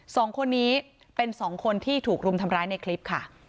สองคนนี้เป็นสองคนที่ถูกรุมทำร้ายในคลิปค่ะ